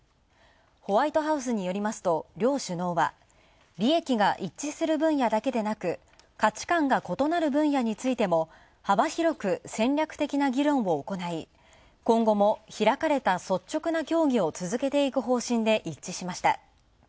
ホワイトハウスによりますと両首脳は利益が一致する分野だけでなく価値観が異なる分野についても幅広く戦略的な議論を行い今後も「開かれた率直な協議」を続けていく方針で一致しました。